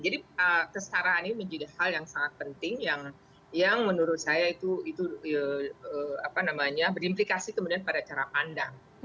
jadi kesetaraan ini menjadi hal yang sangat penting yang menurut saya itu berimplikasi kemudian pada cara pandang